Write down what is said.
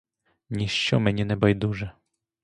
Ніщо мені не байдуже!